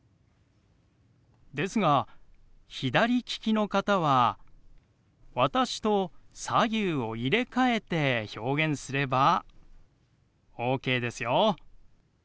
ですが左利きの方は私と左右を入れ替えて表現すればＯＫですよ！